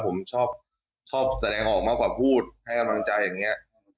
ผมชอบแสดงออกมากว่าพูดให้กำลังใจอย่างนี้